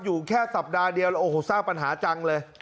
อยู่แค่สัปดาห์เดียวแล้วโอ้โหสร้างปัญหาจังเลย